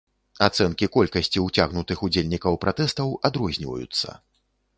Ацэнкі колькасці уцягнутых удзельнікаў пратэстаў адрозніваюцца.